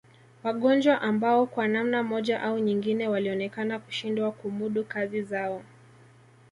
Wagonjwa ambao kwa namna moja au nyingine walionekana kushindwa kumudu kazi zao